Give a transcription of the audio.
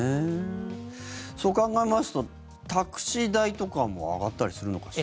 そう考えますとタクシー代とかも上がったりするのかしら。